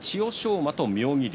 馬と妙義龍。